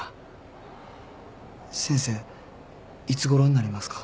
先生いつごろになりますか？